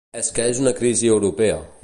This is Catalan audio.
És que és una crisi europea.